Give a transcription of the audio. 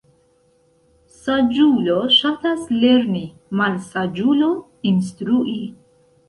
Saĝulo ŝatas lerni, malsaĝulo instrui.